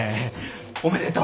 おめでとう。